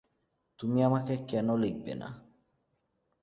তুমি আমাকে কেন লিখবে না?